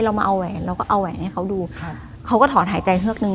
เรามาเอาแหวนเราก็เอาแหวนให้เขาดูครับเขาก็ถอนหายใจเฮือกนึง